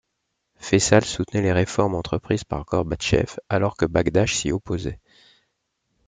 Fayçal soutenait les réformes entreprises par Gorbatchev, alors que Bagdash s'y opposait.